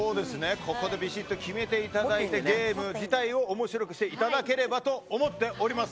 ここでびしっと決めていただいてゲーム自体を面白くしていただければと思っています。